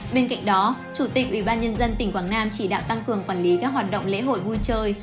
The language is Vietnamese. bên cạnh đó chủ tịch ủy ban nhân dân tỉnh quảng nam chỉ đạo tăng cường quản lý các hoạt động lễ hội vui chơi